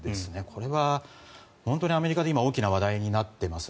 これは本当にアメリカで大きな話題になっています。